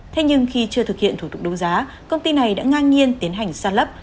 thế nhưng khi chưa thực hiện thủ tục đấu giá công ty này đã ngang nhiên tiến hành sàn lấp